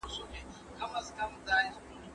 زه بازار ته نه ځم!!